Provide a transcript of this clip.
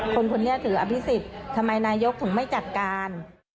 คนคนนี้ถืออภิษฎทำไมนายกถึงไม่จัดการ